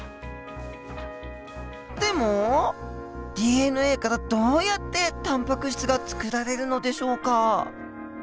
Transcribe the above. でもＤＮＡからどうやってタンパク質が作られるのでしょうか？